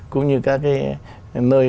cũng như các cái nơi